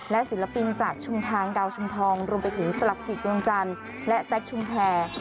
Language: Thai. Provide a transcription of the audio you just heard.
และศิลปินจากชุมทางดาวชุมทองรวมไปถึงสลักจิตวงจันทร์และแซคชุมแพร